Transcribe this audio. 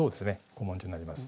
古文書になります。